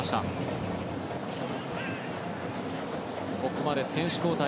ここまで選手交代